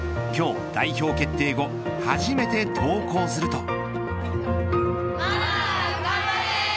今日代表決定後初めて登校すると。